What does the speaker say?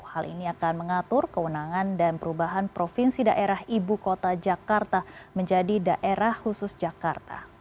hal ini akan mengatur kewenangan dan perubahan provinsi daerah ibu kota jakarta menjadi daerah khusus jakarta